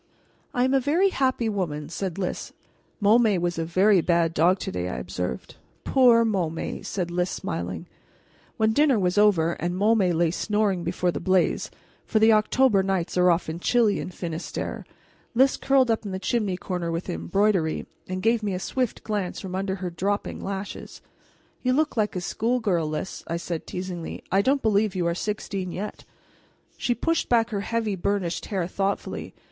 "I am a very happy woman," said Lys. "Môme was a very bad dog to day," I observed. "Poor Môme!" said Lys, smiling. When dinner was over and Môme lay snoring before the blaze for the October nights are often chilly in Finistere Lys curled up in the chimney corner with her embroidery, and gave me a swift glance from under her dropping lashes. "You look like a schoolgirl, Lys," I said teasingly. "I don't believe you are sixteen yet." She pushed back her heavy burnished hair thoughtfully.